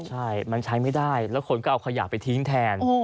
ใช่มันใช้ไม่ได้แล้วคนก็เอาขยะไปทิ้งแทน